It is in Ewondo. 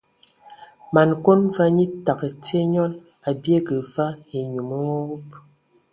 Man Bəkon va nye təgə tye nyɔl, a biege va enyum nwuwub.